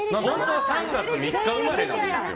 ３月３日生まれなんですよ。